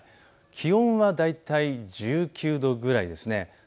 気温は大体１９度ぐらいです。